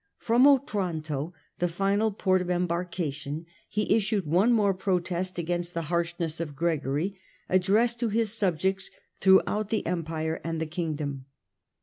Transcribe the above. From Otranto, the final port of embarkation, he issued one more protest against the harshness of Gregory, addressed to his subjects throughout the Empire and the Kingdom.